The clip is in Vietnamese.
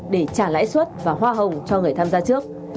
để trả lãi suất và hoa hồng cho người tham gia trước